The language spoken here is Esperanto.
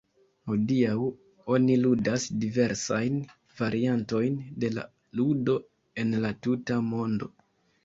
Hodiaŭ oni ludas diversajn variantojn de la ludo en la tuta mondo.